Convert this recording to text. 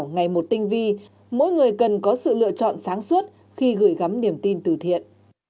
ngày một tinh vi mỗi người cần có sự lựa chọn sáng suốt khi gửi gắm niềm tin từ thiện